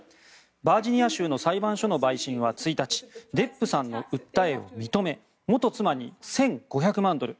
バージニア州の裁判所の陪審は１日デップさんの訴えを認め元妻に１５００万ドル